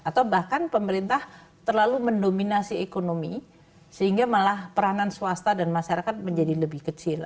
atau bahkan pemerintah terlalu mendominasi ekonomi sehingga malah peranan swasta dan masyarakat menjadi lebih kecil